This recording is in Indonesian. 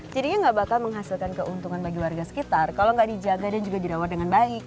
jadinya tak akan menghasilkan keuntungan bagi warga sekitar jika tidak dijaga dan juga dilakukan dengan baik